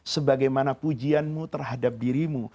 sebagaimana pujianmu terhadap dirimu